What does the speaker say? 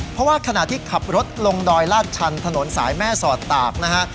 เพราะว่าขณะที่ขับรถลงดอยลาดชันถนนสายแม่สอดตากนะฮะ